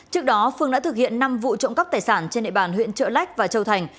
trước đó phương đã thực hiện năm vụ trộm cắp tài sản trên địa bàn huyện trợ lách và châu thành